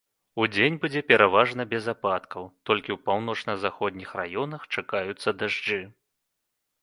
Удзень будзе пераважна без ападкаў, толькі ў паўночна-заходніх раёнах чакаюцца дажджы.